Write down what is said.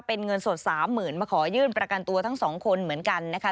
เป็นเงินสด๓๐๐๐มาขอยื่นประกันตัวทั้งสองคนเหมือนกันนะคะ